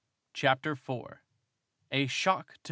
CHAPTER IV A SHOCK TO MR.